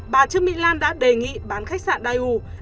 bà trương mỹ lan đã đề nghị bán khách sạn daiu